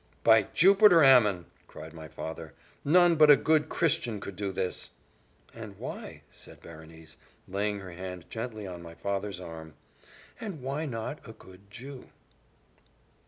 "By Jupiter Ammon," cried my father, "none but a good Christian could do this!" "And why," said Berenice, laying her hand gently on my father's arm, "and why not a good Jew?"